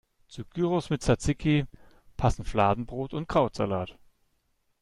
Zu Gyros mit Tsatsiki passen Fladenbrot und Krautsalat.